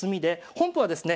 本譜はですね